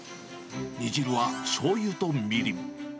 煮汁はしょうゆとみりん。